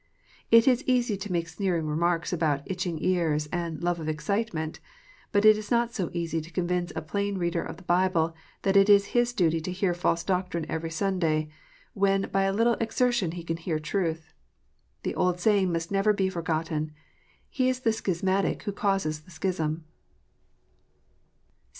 It is easy to make sneering remarks about " itching ears," and " love of excitement ;" but it is not so easy to convince a plain reader of the Bible that it is his duty to hear false doctrine every Sunday, when by a little exertion he can hear truth. The old saying must never be forgotten, " He is the schismatic who causes the schism."